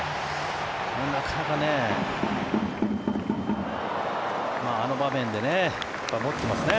なかなかあの場面でやっぱり持ってますね。